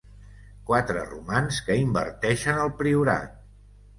Quatre romans que inverteixen al Priorat.